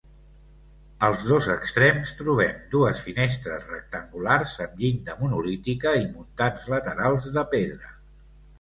Als dos extrems trobem dues finestres rectangulars amb llinda monolítica i muntants laterals de pedra.